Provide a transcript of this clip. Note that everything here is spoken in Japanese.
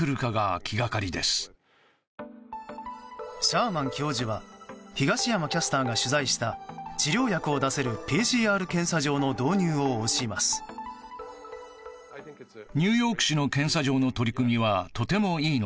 シャーマン教授は東山キャスターが取材した治療薬を出せるＰＣＲ検査場の導入を推します。